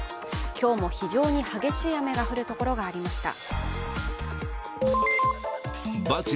今日も非常に激しい雨が降るところがありました。